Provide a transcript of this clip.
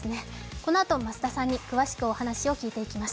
このあと増田さんに詳しくお話を聞いていきます。